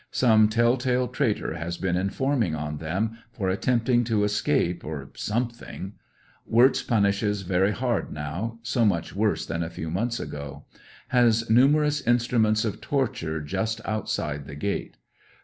Some tell tale traitor has been informing on them, for attempting to escape or something Wirtz punishes very hard now; so much worse than a few months ago. Has numerous instruments of tor ture just outside the gate.